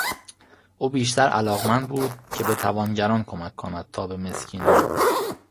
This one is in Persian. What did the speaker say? او بیشتر علاقمند بود که به توانگران کمک کند تا به مسکینان